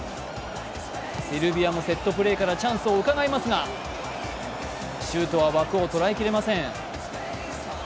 セルビアもセットプレーからチャンスをうかがいますが、シュートは枠を捉えきれません。